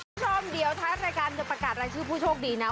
คุณผู้ชมเดี๋ยวท้ายรายการจะประกาศรายชื่อผู้โชคดีนะ